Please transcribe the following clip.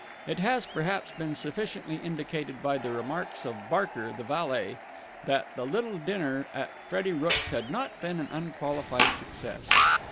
It has perhaps been sufficiently indicated by the remarks of Barker, the valet, that the little dinner at Freddie Rooke's had not been an unqualified success.